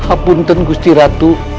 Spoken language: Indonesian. apunten gusti ratu